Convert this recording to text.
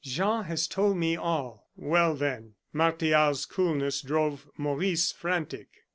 "Jean has told me all." "Well, then?" Martial's coolness drove Maurice frantic.